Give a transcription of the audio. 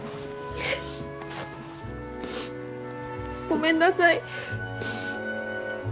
ごめんなさい。